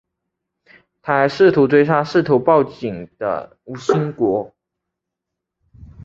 他还试图追杀试图报警的吴新国。